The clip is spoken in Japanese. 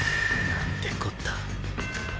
なんてこった